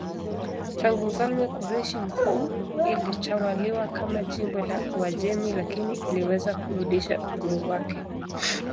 Tangu mfalme Koreshi Mkuu ilitawaliwa kama jimbo la Uajemi lakini iliweza kurudisha uhuru wake.